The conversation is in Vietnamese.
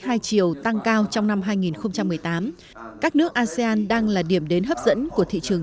hai chiều tăng cao trong năm hai nghìn một mươi tám các nước asean đang là điểm đến hấp dẫn của thị trường